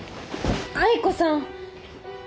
愛子さん。